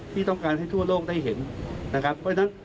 ที่ต้องการให้ทั่วโลกได้เห็นนะครับเพราะฉะนั้น